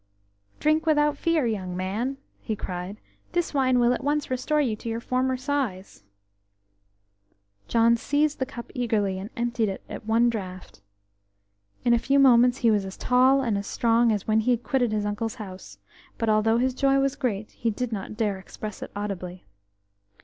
"Drink without fear, young man," he cried. "This wine will at once restore you to your former size." John seized the cup eagerly, and emptied it at one draught. In a few moments he was as tall and as strong as when he quitted his uncle's house, but although his joy was great he did not dare to express it audibly.